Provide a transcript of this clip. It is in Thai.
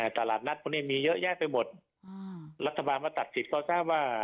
ตลาดนัดพวกนี้มีเยอะแยะไปหมดรัฐบาลมาตัดสิทธิ์ก็ทราบว่า